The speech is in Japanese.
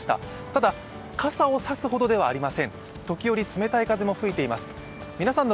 ただ、傘を差すほどではありません。